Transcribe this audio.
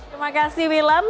terima kasih wilam